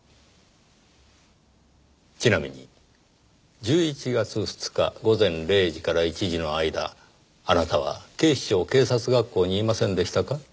ちなみに１１月２日午前０時から１時の間あなたは警視庁警察学校にいませんでしたか？